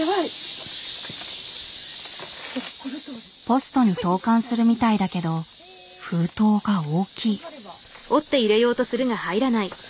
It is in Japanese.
ポストに投かんするみたいだけど封筒が大きい。